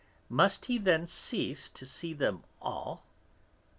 Must he then cease to see them all?